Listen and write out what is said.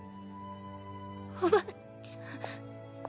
おばあちゃん。